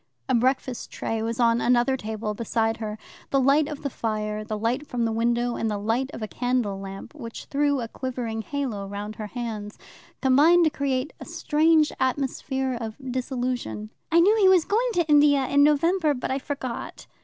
A breakfast tray was on another table beside her. The light of the fire, the light from the window, and the light of a candle lamp, which threw a quivering halo round her hands, combined to create a strange atmosphere of dissolution. "I knew he was going to India in November, but I forgot."